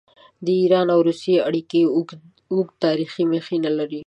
د ایران او روسیې اړیکې اوږده تاریخي مخینه لري.